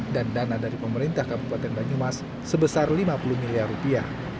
dan dana dari pemerintah kabupaten banyumas sebesar lima puluh miliar rupiah